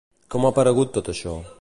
Com ha aparegut tot això?